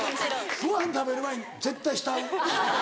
ご飯食べる前に「絶対慕う？」。